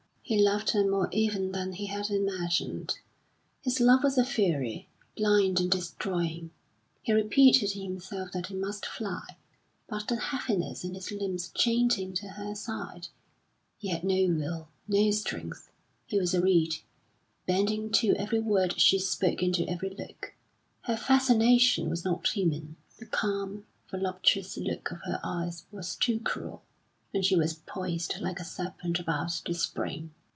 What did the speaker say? He loved her more even than he had imagined; his love was a fury, blind and destroying. He repeated to himself that he must fly, but the heaviness in his limbs chained him to her side; he had no will, no strength; he was a reed, bending to every word she spoke and to every look. Her fascination was not human, the calm, voluptuous look of her eyes was too cruel; and she was poised like a serpent about to spring.